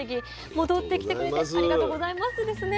戻ってきてくれてありがとうございますですね